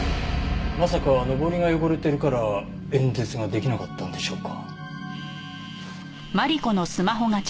まさかのぼりが汚れてるから演説ができなかったんでしょうか？